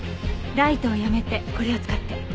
ライトをやめてこれを使って。